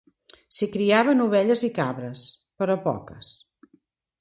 S'hi criaven ovelles i cabres, però poques.